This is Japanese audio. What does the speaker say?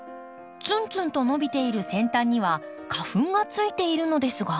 ツンツンと伸びている先端には花粉がついているのですが。